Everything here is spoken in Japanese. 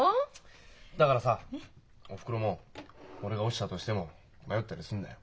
だからさおふくろも俺が落ちたとしても迷ったりすんなよ。